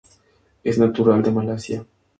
Es natural de Malasia.